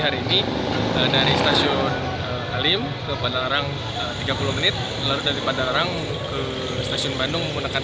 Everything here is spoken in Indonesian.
hari ini dari stasiun halim ke padalarang tiga puluh menit lalu dari padalarang ke stasiun bandung menggunakan